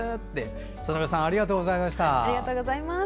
園部さんありがとうございました。